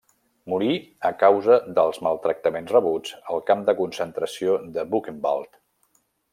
Morí, a causa dels maltractaments rebuts, al camp de concentració de Buchenwald.